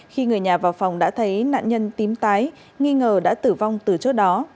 khi người nhà vào phòng đã thấy nạn nhân tím tái nghi ngờ đã tử vong từ trước đó